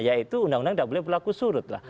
yaitu undang undang tidak boleh berlaku surut lah